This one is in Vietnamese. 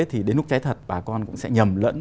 thì đến lúc cháy thật bà con cũng sẽ nhầm lẫn